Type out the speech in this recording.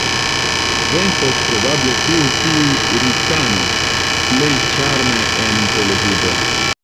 Venkos probable tiu, kiu rikanos plej ĉarme en televido.